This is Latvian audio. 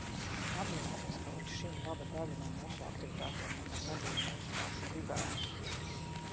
Apzināties, ka līdz šim laba daļa no mūsu aktivitātēm nemaz nebija mūsu pašu gribētas.